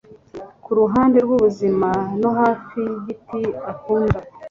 Kuruhande rwubuzima, no hafi yigiti akunda;